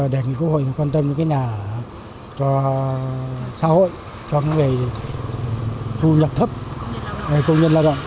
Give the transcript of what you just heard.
đề nghị quốc hội quan tâm cho xã hội cho thu nhập thấp công nhân lao động